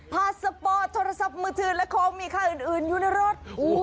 พาสปอร์ตโทรศัพท์มือถือและของมีค่าอื่นอยู่ในรถ